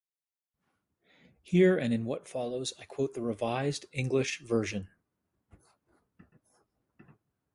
Here and in what follows I quote the Revised English Version.